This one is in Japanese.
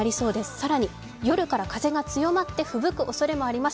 更に夜から風が強まってふぶく可能性もあります。